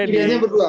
ini pilihannya berdua